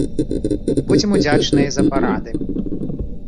Будзем удзячныя за парады.